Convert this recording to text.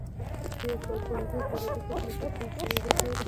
په یو سوه پنځوس میلادي کال کې نفوس پنځه څلوېښت زرو ته ورسېد